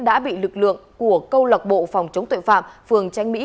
đã bị lực lượng của câu lạc bộ phòng chống tội phạm phường tránh mỹ